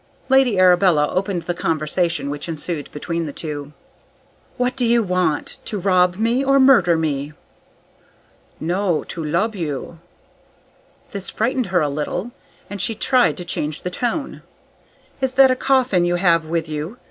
Lady Arabella opened the conversation which ensued between the two. "What do you want? To rob me, or murder me?" "No, to lub you!" This frightened her a little, and she tried to change the tone. "Is that a coffin you have with you?